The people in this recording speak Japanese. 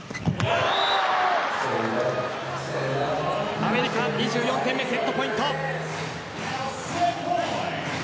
アメリカ２４点目セットポイント。